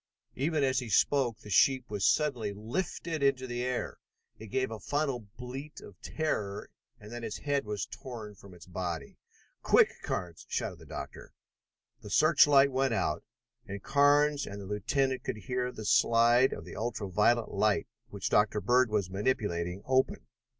Even as he spoke the sheep was suddenly lifted into the air. It gave a final bleat of terror, and then its head was torn from its body. "Quick, Carnes!" shouted the doctor. The search light went out, and Carnes and the lieutenant could hear the slide of the ultra violet light which Dr. Bird was manipulating open.